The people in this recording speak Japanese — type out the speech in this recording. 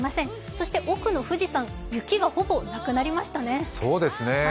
そして奥の富士山、雪がほぼなくなりましたね。